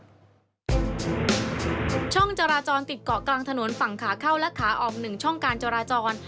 ช่องจราจรติดเกาะกลางถนนฝั่งขาเข้าและขาออก๑ช่องการจราจร